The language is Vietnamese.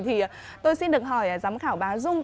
thì tôi xin được hỏi giám khảo bà dung